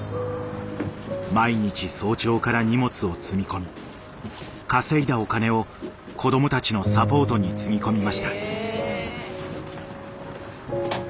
毎日早朝から荷物を積み込み稼いだお金を子どもたちのサポートにつぎ込みました。